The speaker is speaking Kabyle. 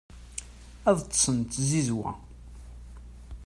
ad ṭṭsen d tzizwa